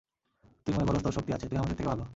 তুই মনে করস তর শক্তি আছে, তুই আমাদের থেকে ভাল।